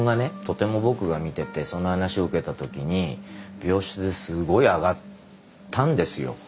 とても僕が見ててその話を受けた時に病室ですごい上がったんですよ。